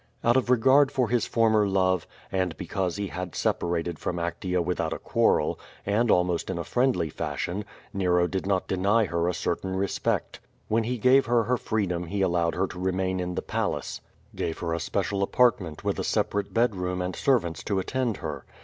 Out of regard for his former love, and because he had sepa rated from Actea without a quarrel, and almost in a friendly fashion, Nero did not deny her a certain respect. When he gave her her freedom he allowed her to remain in the palace; gave her a special apartment with a separate bed room and servants to attend her.